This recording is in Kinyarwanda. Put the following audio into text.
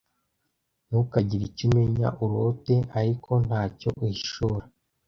Ntukagire icyo umenya, urote ariko ntacyo uhishura.